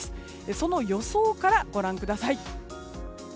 その予想からご覧ください。